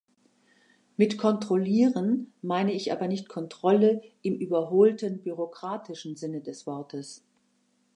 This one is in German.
Mit "kontrollieren" meine ich aber nicht Kontrolle im überholten bürokratischen Sinne dieses Wortes.